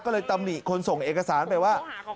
ก็เลยตำหนิคนส่งเอกสารไปว่า